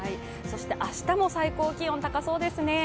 明日も最高気温高そうですね。